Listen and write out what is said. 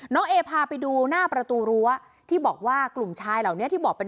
เอพาไปดูหน้าประตูรั้วที่บอกว่ากลุ่มชายเหล่านี้ที่บอกเป็น